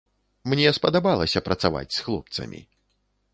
Мне спадабалася працаваць з хлопцамі.